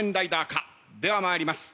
では参ります。